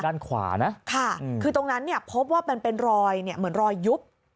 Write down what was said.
ด้านขวานะค่ะคือตรงนั้นพบว่ามันเป็นรอยเหมือนรอยยุบ